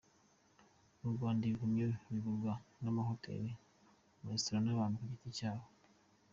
Mu Rwanda ibihumyo bigurwa n’amahoteli, amaresitora n’abantu ku giti cyabo.